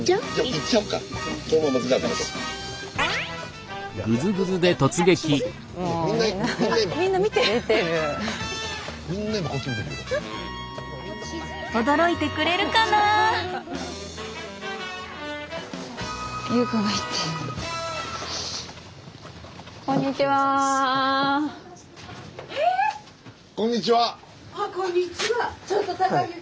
あっこんにちは。